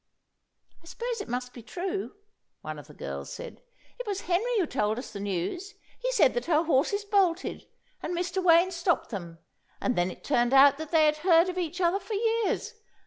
"I suppose it must be true," one of the girls said. "It was Henry who told us the news. He said that her horses bolted, and Mr. Wayne stopped them, and then it turned out that they had heard of each other for years.